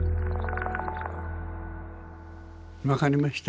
わかりました？